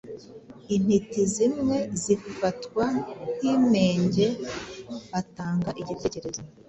intiti zimwe zifatwa nkinenge atanga igitekerezo